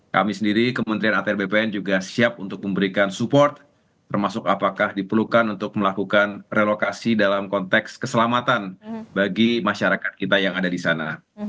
kami sendiri kementerian atr bpn juga siap untuk memberikan support termasuk apakah diperlukan untuk melakukan relokasi dalam konteks keselamatan bagi masyarakat kita yang ada di sana